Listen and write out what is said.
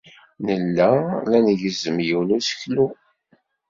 Nella la ngezzem yiwen n useklu.